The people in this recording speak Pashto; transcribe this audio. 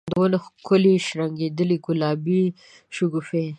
د ونو ښکلي شرنګیدلي ګلابې شګوفي